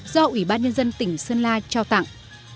do ủy ban nhân dân tỉnh sơn la trao tặng